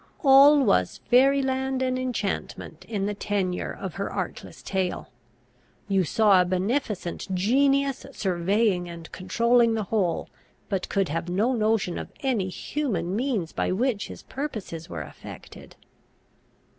All was fairy land and enchantment in the tenour of her artless tale; you saw a beneficent genius surveying and controlling the whole, but could have no notion of any human means by which his purposes were effected.